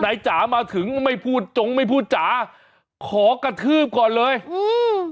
จ๋ามาถึงไม่พูดจงไม่พูดจ๋าขอกระทืบก่อนเลยอืม